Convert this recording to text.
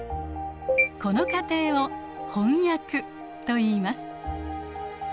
この過程を「翻訳」といいます。